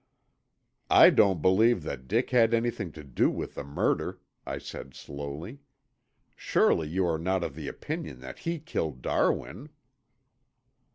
"I don't believe that Dick had anything to do with the murder," I said slowly. "Surely you are not of the opinion that he killed Darwin?"